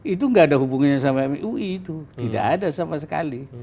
itu tidak ada hubungannya sama mui itu tidak ada sama sekali